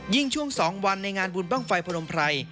ยิ่งช่วง๒วันในงานบุญบังไฟพนมไฟ